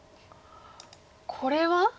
これは？